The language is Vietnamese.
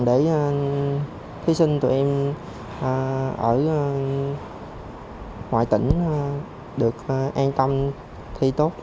để thí sinh tụi em ở ngoài tỉnh được an tâm thi tốt